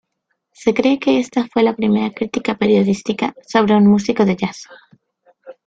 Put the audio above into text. Se cree que esta fue la primera crítica periodística sobre un músico de jazz.